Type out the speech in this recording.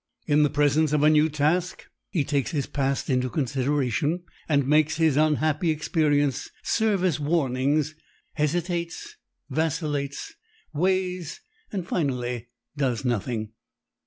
In the presence of a new task he takes his past into consideration and makes his unhappy experiences serve as warnings, hesitates, vacillates, weighs, and finally does nothing.